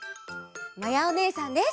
まやおねえさんです！